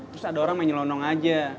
terus ada orang main nyelonong aja